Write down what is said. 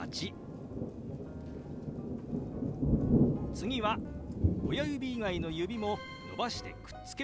次は親指以外の指も伸ばしてくっつけます。